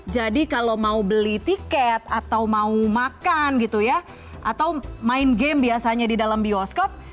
jadi kalau mau beli tiket atau mau makan gitu ya atau main game biasanya di dalam bioskop